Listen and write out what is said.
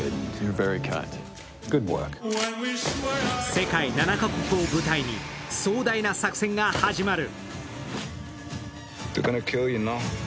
世界７カ国を舞台に壮大な作戦が始まる。